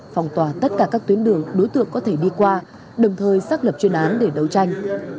phòng tỏa tất cả các tuyến đường đối tượng có thể đi qua đồng thời xác lập chuyên án để đấu tranh